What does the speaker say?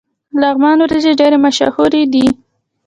د لغمان وریجې ډیرې مشهورې دي.